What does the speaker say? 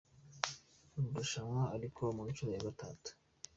marushanwa ari kuba ku nshuro ya gatatu.